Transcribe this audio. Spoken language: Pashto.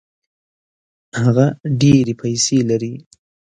هغه ډېري پیسې لري.